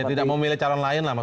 tidak mau milih calon lain lah mas